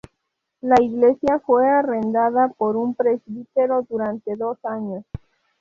La iglesia fue arrendada por un presbítero durante dos años.